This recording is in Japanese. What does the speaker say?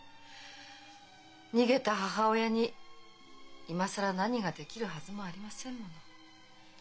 逃げた母親に今更何ができるはずもありませんもの。